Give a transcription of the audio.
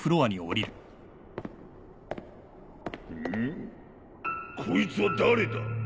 ん？こいつは誰だ！？